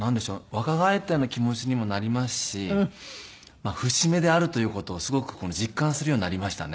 若返ったような気持ちにもなりますし節目であるという事をすごく実感するようになりましたね。